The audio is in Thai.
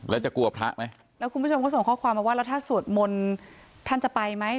แล้วจะกลัวพระไหมแล้วคุณผู้ชมก็ส่งข้อความมาว่าแล้วถ้าสวดมนต์ท่านจะไปไหม